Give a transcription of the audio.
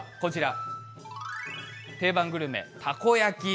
定番グルメのたこ焼き